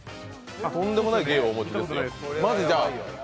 とんでもない芸をお持ちですよ。